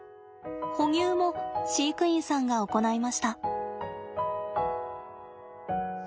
哺乳も飼育員さんが行いました。